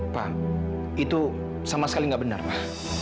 pak itu sama sekali nggak benar pak